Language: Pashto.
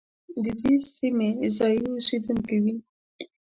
د دې سیمې ځايي اوسېدونکي وي.